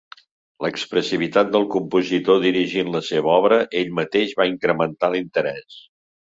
L'expressivitat del compositor dirigint la seva obra ell mateix va incrementar l'interès.